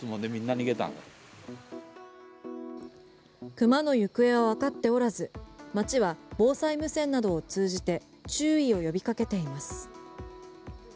熊の行方はわかっておらず町は防災無線などを通じて注意を呼びかけています。